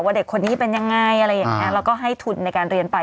เด็กคนนี้เป็นยังไงอะไรอย่างนี้แล้วก็ให้ทุนในการเรียนไป